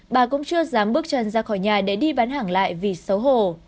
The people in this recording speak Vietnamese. bà cũng chưa dám bước chân ra khỏi nhà để đi bán hàng lại vì xấu hổ